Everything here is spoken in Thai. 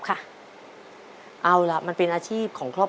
ขั้นตอนตั้งแต่เริ่มต้นจนเสร็จแล้วใส่ถุงเนี่ยฮะต้องทำอะไรบ้างครับ